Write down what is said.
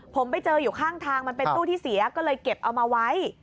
ผมไปเจออยู่ข้างทางมันเป็นตู้ที่เสียก็เลยเก็บเอามาไว้